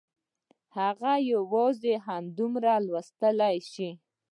هغه یوازې همدومره لوستلی شو